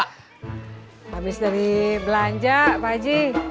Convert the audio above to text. habis dari belanja pak haji